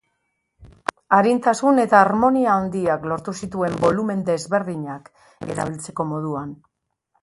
Arintasun eta harmonia handiak lortu zituen bolumen desberdinak erabiltzeko moduan.